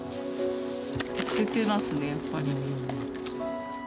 痩せてますね、やっぱり。